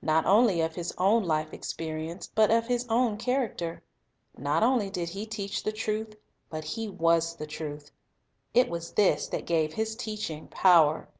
15; i;, : 10. The Teacher Sent from God 79 only of His own life experience, but of His own char acter. Not only did He teach the truth, but He was the truth. It was this that gave His teaching power.